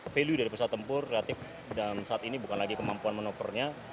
value dari pesawat tempur relatif dan saat ini bukan lagi kemampuan manuvernya